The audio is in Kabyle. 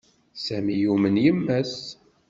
Sami yumen yemma-s.